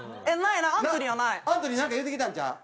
アントニーなんか言うてきたんちゃう？